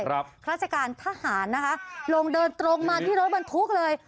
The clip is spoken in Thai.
ราชการทหารนะคะลงเดินตรงมาที่รถบรรทุกเลย